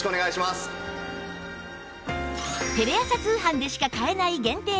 テレ朝通販でしか買えない限定